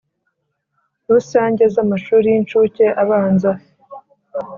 Rusange z amashuri y incuke abanza